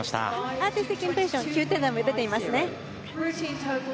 アーティスティックインプレッション９点台が出ていますね。